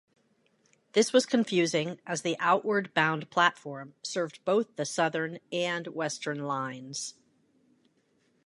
This was confusing as the outward-bound platform served both the Southern and Western Lines.